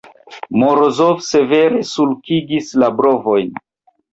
Morozov severe sulkigis la brovojn.